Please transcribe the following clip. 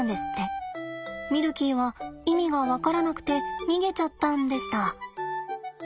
ミルキーは意味が分からなくて逃げちゃったんでした。